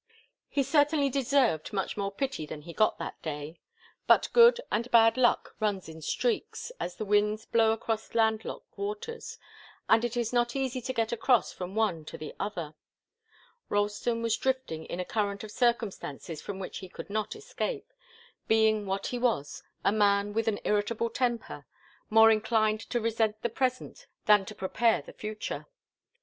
He certainly deserved much more pity than he got that day. But good and bad luck run in streaks, as the winds blow across land locked waters, and it is not easy to get across from one to the other. Ralston was drifting in a current of circumstances from which he could not escape, being what he was, a man with an irritable temper, more inclined to resent the present than to prepare the future.